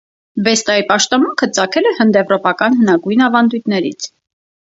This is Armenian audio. Վեստայի պաշտամունքը ծագել է հնդեվրոպական հնագույն ավանդույթներից։